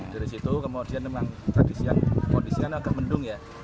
dari situ kemudian tradisional kebendung ya